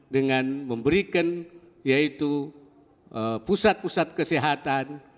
dengan memberikan yaitu pusat pusat kesehatan